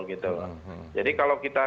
gitu loh jadi kalau kita